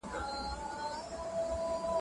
د بدن رګونه د مسواک په واسطه صفا کېږي.